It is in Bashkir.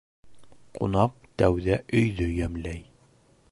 Кунаҡ тәүҙә өйҙө йәмләй